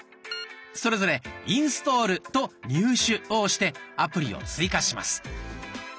それぞれ「インストール」と「入手」を押してアプリを追加します。